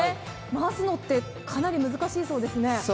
回すのってかなり難しいそうですね？